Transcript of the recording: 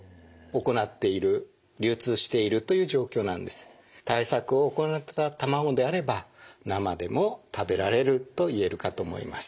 しかし現在は対策を行った卵であれば生でも食べられると言えるかと思います。